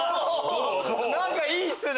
何かいいっすね！